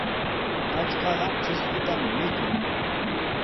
Patrkaqa chushpitami mikun.